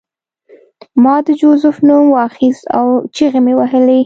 ما د جوزف نوم واخیست او چیغې مې وهلې